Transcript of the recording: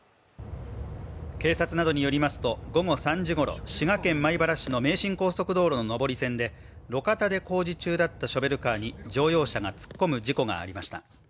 警察などによりますと午後３時ごろ、滋賀県米原市の名神高速道路の上り線で路肩で工事中だったショベルカーに乗用車が突っ込む事故がありました。